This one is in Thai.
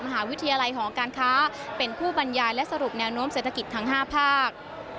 มหาวิทยาลัยหอการค้าเป็นผู้บรรยายและสรุปแนวโน้มเศรษฐกิจทั้ง๕ภาค